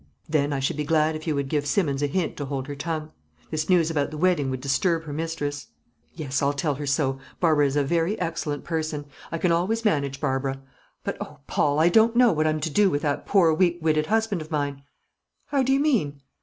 "Then I should be glad if you would give Simmons a hint to hold her tongue. This news about the wedding would disturb her mistress." "Yes, I'll tell her so. Barbara is a very excellent person. I can always manage Barbara. But oh, Paul, I don't know what I'm to do with that poor weak witted husband of mine." "How do you mean?"